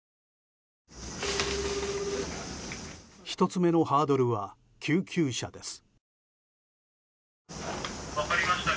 １つ目のハードルは救急車です。